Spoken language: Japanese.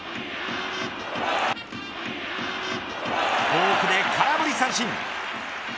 フォークで空振り三振。